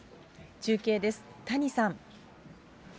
中継です、谷さん。